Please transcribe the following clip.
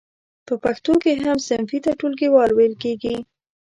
په پښتو کې هم صنفي ته ټولګیوال ویل کیږی.